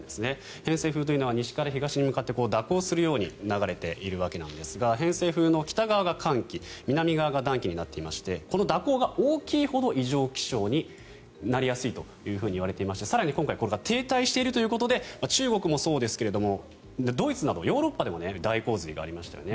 偏西風は西から東に向かって蛇行するように流れているわけですが偏西風の北側が寒気南側が暖気になっていてこの蛇行が大きいほど異常気象になりやすいといわれていまして更に今回これが停滞しているということで中国もそうですけどドイツなどヨーロッパでも大洪水がありましたよね。